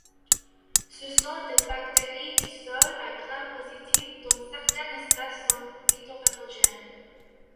Ce sont des bactéries du sol à Gram positif dont certaines espèces sont phytopathogènes.